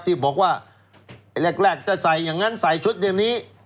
ที่บอกว่าไอ้แรกถ้าใส่อย่างนั้นใส่ชุดอย่างนี้